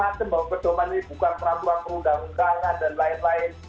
macam bahwa pedoman ini bukan peraturan perundang undangan dan lain lain